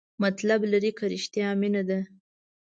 مطلب لري که رښتیا مینه ده؟